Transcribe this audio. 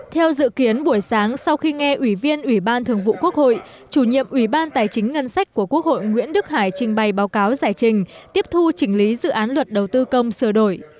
theo dự kiến buổi sáng sau khi nghe ủy viên ủy ban thường vụ quốc hội chủ nhiệm ủy ban tài chính ngân sách của quốc hội nguyễn đức hải trình bày báo cáo giải trình tiếp thu chỉnh lý dự án luật đầu tư công sửa đổi